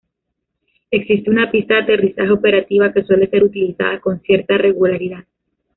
Existe una pista de aterrizaje operativa que suele ser utilizada con cierta regularidad.